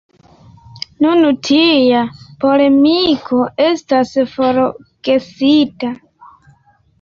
Nun tia polemiko estas forgesita.